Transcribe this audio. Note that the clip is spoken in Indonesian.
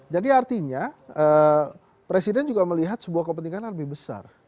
jadi artinya presiden juga melihat sebuah kepentingan yang lebih besar